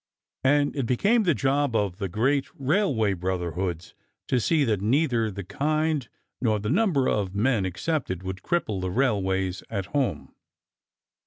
And it became the job of the great railway brotherhoods to see that neither the kind nor the number of men accepted would cripple the railways at home.